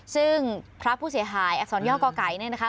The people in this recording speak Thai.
ซึ่งพระผู้เสียหายอักษรย่อก่อไก่เนี่ยนะคะ